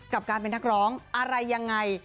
กับการเป็นนักร้องอะไรยังไง